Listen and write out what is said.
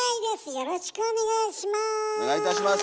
よろしくお願いします。